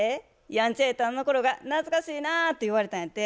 ヤンチャやったあのころが懐かしいな」って言われたんやて。